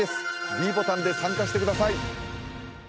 ｄボタンで参加してください